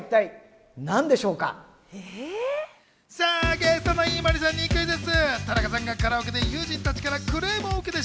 ゲストの井森さんにクイズッス！